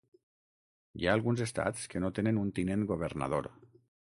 Hi ha alguns estats que no tenen un Tinent Governador.